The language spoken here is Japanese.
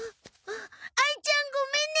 あいちゃんごめんね。